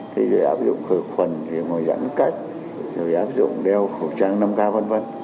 thì rồi áp dụng khởi khuẩn rồi áp dụng đeo khẩu trang năm k v v